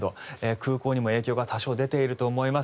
空港にも多少影響が出ていると思います。